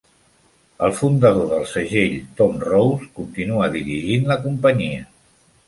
El fundador del segell Tom Rose continua dirigint la companyia.